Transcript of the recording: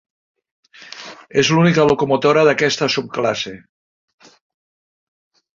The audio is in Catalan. És l'única locomotora d'aquesta subclasse.